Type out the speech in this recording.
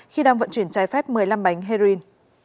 khi đang vận chuyển trái phép một mươi năm bánh heroin